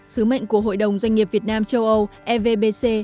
sứ mệnh của hội đồng doanh nghiệp việt nam châu âu evbc